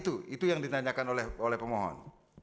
itu itu yang ditanyakan oleh pemohon